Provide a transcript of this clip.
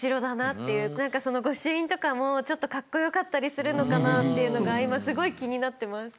何かその御朱印とかもちょっとかっこよかったりするのかなっていうのが今すごい気になってます。